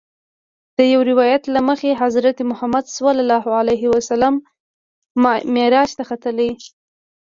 د یوه روایت له مخې حضرت محمد صلی الله علیه وسلم معراج ته ختلی.